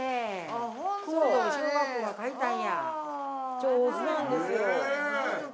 上手なんですよ。